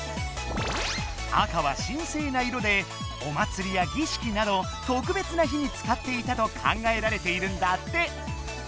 赤は神聖な色でお祭りや儀式などとくべつな日につかっていたと考えられているんだって。